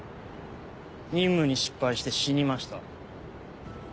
任務に失敗して死にました。